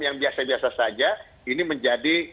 yang biasa biasa saja